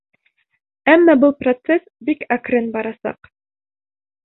Әммә был процесс бик әкрен барасаҡ.